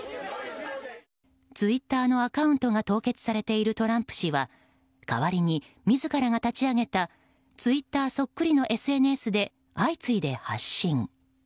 ツイッターのアカウントが凍結されているトランプ氏は代わりに自らが立ち上げたツイッターそっくりのＳＮＳで相次いで発信。